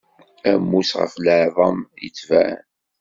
Ammus ɣef leεḍam yettban.